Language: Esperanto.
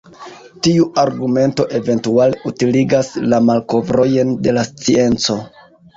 Tiu argumento, eventuale, utiligas la malkovrojn de la scienco.